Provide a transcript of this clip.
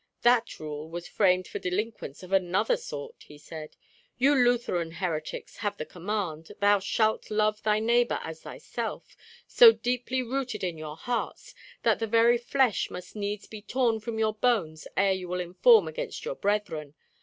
"That rule was framed for delinquents of another sort," he said. "You Lutheran heretics have the command, 'Thou shall love thy neighbour as thyself,' so deeply rooted in your hearts, that the very flesh must needs be torn from your bones ere you will inform against your brethren.